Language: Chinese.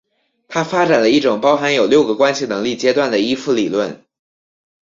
他发展了一种包含有六个关系能力阶段的依附理论。